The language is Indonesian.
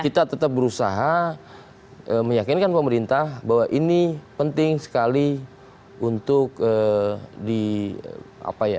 kita tetap berusaha meyakinkan pemerintah bahwa ini penting sekali untuk di apa ya